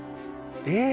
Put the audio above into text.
えっ？